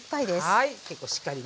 はい。